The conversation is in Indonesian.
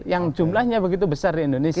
yang jumlahnya begitu besar di indonesia